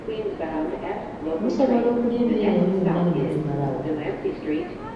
Musobola okulya emmere eyo yonna ne mugimalawo?